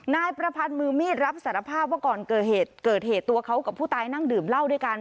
นายประพันธ์มือมีดรับสารภาพว่าก่อนเกิดเหตุเกิดเหตุตัวเขากับผู้ตายนั่งดื่มเหล้าด้วยกัน